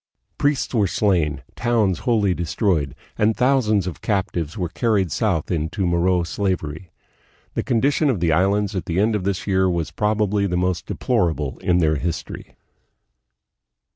Priests were slain, towns wholly destroyed, and thousands of captives were carried south into Moro slavery. The condition of the Islands at the end of this year was probably the most deplorable in their history.